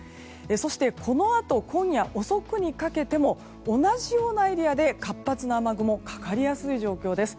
そして、このあと今夜遅くにかけても同じようなエリアで活発な雨雲がかかりやすい状況です。